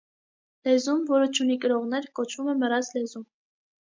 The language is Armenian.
Լեզուն, որը չունի կրողներ, կոչվում է մեռած լեզու։